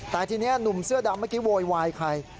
แต่ทีนี้หนุ่มเสื้อดำเมื่อกี้โวยวายใคร